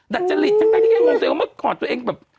ดัดจระลิงจากแกงงมาแบบก่อนตัวเองแบบ